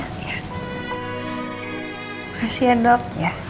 makasih ya dok